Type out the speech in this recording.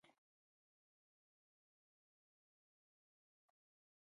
د زراعت د اړتیاوو پوره کولو لپاره اقدامات کېږي.